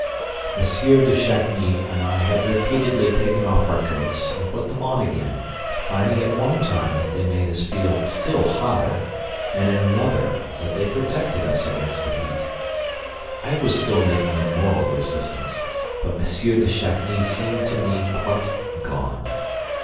M. de Chagny and I had repeatedly taken off our coats and put them on again, finding at one time that they made us feel still hotter and at another that they protected us against the heat. I was still making a moral resistance, but M. de Chagny seemed to me quite "gone."